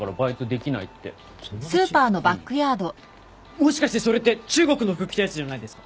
もしかしてそれって中国の服着たやつじゃないですか？